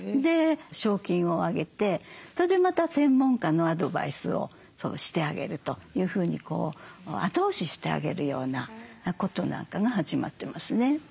賞金をあげてそれでまた専門家のアドバイスをしてあげるというふうに後押ししてあげるようなことなんかが始まってますね。